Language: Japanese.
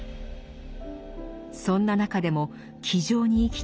そんな中でも気丈に生きた